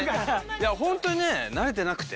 いやホントにね慣れてなくて。